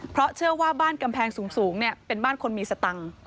เพราะเชื่อว่าบ้านกำแพงสูงเป็นบ้านคนมีสตังค์